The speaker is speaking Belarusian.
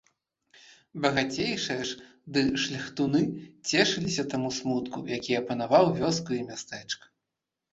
Багацейшыя ж ды шляхтуны цешыліся таму смутку, які апанаваў вёску і мястэчка.